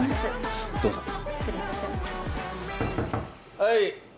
はい。